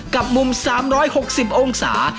กับมุม๓๖๐องศา